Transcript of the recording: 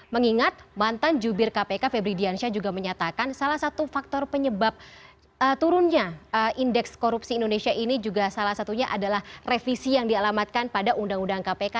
mengingat mantan jubir kpk febri diansyah juga menyatakan salah satu faktor penyebab turunnya indeks korupsi indonesia ini juga salah satunya adalah revisi yang dialamatkan pada undang undang kpk